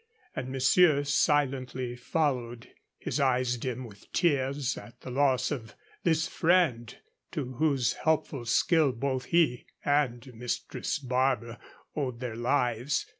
And Monsieur silently followed, his eyes dim with tears at the loss of this friend to whose helpful skill both he and Mistress Barbara owed their lives.